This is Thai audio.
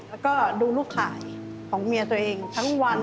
แล้วก็ดูลูกขายของเมียตัวเองทั้งวัน